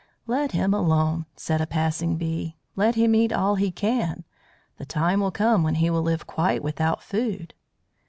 "Let him alone," said a passing bee. "Let him eat all he can. The time will come when he will live quite without food."